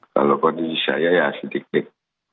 kalau kondisi saya ya sedikit